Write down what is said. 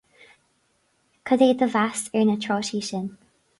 Cad é do mheas ar na trátaí sin?